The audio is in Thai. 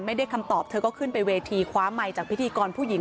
ไม่ได้คำตอบเธอก็ขึ้นไปเวทีคว้าไมค์จากพิธีกรผู้หญิง